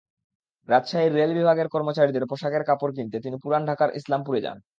রাজশাহীর রেল বিভাগের কর্মচারীদের পোশাকের কাপড় কিনতে তিনি পুরান ঢাকার ইসলামপুরে যান।